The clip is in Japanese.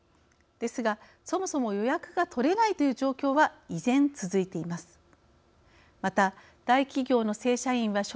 ですが、そもそも予約がとれないという状況は依然、続いています。